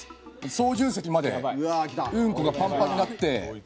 操縦席までうんこがパンパンになって。